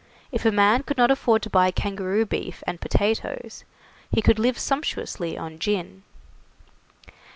If a man could not afford to buy kangaroo beef and potatoes, he could live sumptuously on gin.